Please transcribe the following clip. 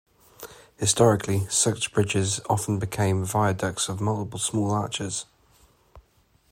Historically, such bridges often became viaducts of multiple small arches.